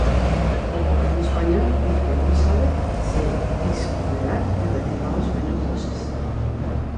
O Goberno español di que non sabe se iso fará que recibamos menos doses.